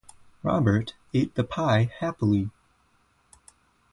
Robert ate the pie happily.